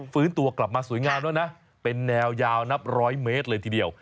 ฟื้นตัวกลับมาสวยงามแล้วนะเป็นแนวยาวนับร้อยเมตรเลยทีเดียว